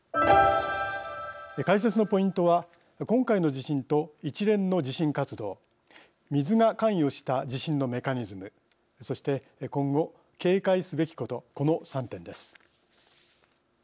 解説のポイントは今回の地震と一連の地震活動水が関与した地震のメカニズムそして今後警戒すべきことこの３点です。